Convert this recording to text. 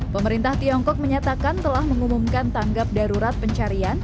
pemerintah tiongkok menyatakan telah mengumumkan tanggap darurat pencarian